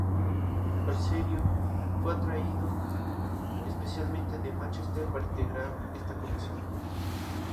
Balseiro fue traído especialmente de Mánchester para integrar esta comisión.